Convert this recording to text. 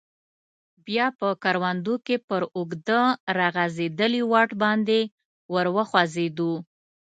بیا په کروندو کې پر اوږده راغځیدلي واټ باندې ور وخوځیدو.